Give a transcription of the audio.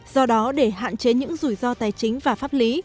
do đó để hạn chế những rủi ro tài chính và pháp lý